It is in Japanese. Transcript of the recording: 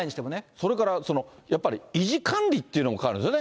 それからやっぱり維持管理というのもかかるんですよね。